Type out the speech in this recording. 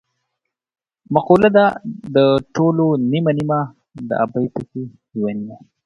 مقوله ده: د ټولو نیمه نیمه د ابۍ پکې یوه نیمه.